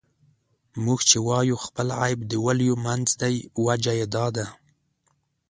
موږ چې وايو خپل عيب د ولیو منځ دی، وجه یې دا ده.